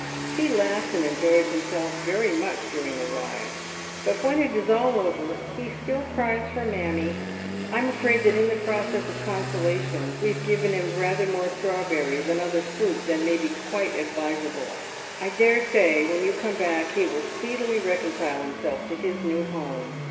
He laughs and enjoys himself very much during the ride, but when it is all over he still cries for mammie. I am afraid that in the process of consolation we have given him rather more strawberries and other fruit than may be quite ad visable. 1 dare say when you come back he ^vill speedily reconcile himself to liis new home.